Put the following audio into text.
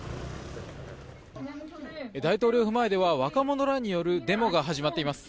大統領府前では若者らによるデモが始まっています。